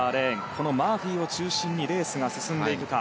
このマーフィーを中心にレースが進んでいくか。